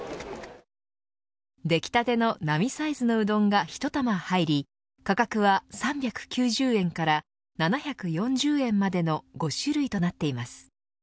できたての並サイズのうどんがひと玉入り価格は３９０円から７４０円までの５種類となっています。